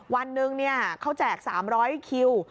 วันหนึ่งเขาแจก๓๐๐คิว